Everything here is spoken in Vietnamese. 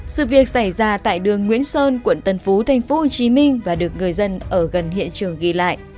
sự việc xảy ra tại đường nguyễn sơn quận tân phú tp hcm và được người dân ở gần hiện trường ghi lại